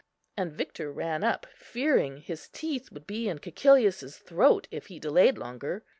and Victor ran up, fearing his teeth would be in Cæcilius's throat, if he delayed longer.